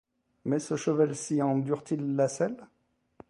Mais ce cheval-ci endure-t-il la selle ?